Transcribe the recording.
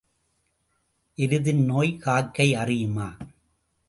எருதின் நோய் காக்கை அறியுமா?